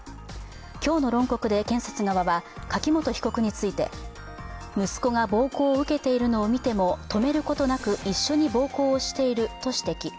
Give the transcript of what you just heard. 今日の論告で検察側は、柿本被告について、息子が暴行を受けているのを見ても止めることなく一緒に暴行をしていると指摘。